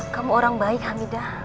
kamu orang baik hamidah